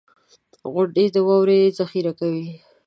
• غونډۍ د واورو ذخېره کوي.